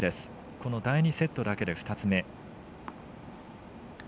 この第２セットだけで２つ目。